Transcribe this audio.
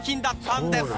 んです。